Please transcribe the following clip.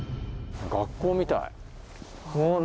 学校みたい。